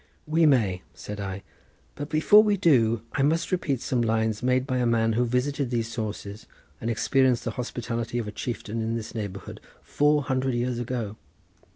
"We may," said I; "but before we do I must repeat some lines made by a man who visited these sources, and experienced the hospitality of a chieftain in this neighbourhood four hundred years ago."